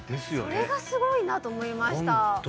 それがすごいなと思いましたホント！